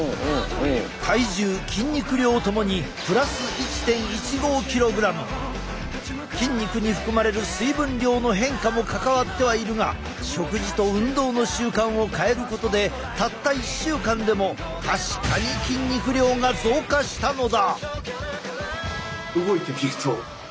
体重筋肉量ともに筋肉に含まれる水分量の変化も関わってはいるが食事と運動の習慣を変えることでたった１週間でも確かに筋肉量が増加したのだ。